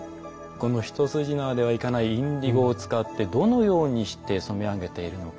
この一筋縄ではいかないインディゴを使ってどのようにして染め上げているのか？